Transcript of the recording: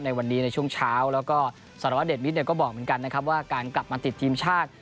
ในวันนี้ในช่วงเช้าแล้วก็สารวเดชมิตรก็บอกเหมือนกันนะครับว่าการกลับมาติดทีมชาติ